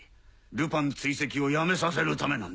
ルパン追跡をやめさせるためなんだ。